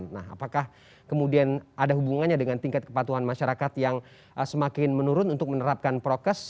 nah apakah kemudian ada hubungannya dengan tingkat kepatuhan masyarakat yang semakin menurun untuk menerapkan prokes